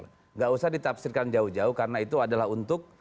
tidak usah ditafsirkan jauh jauh karena itu adalah untuk